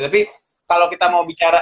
tapi kalau kita mau bicara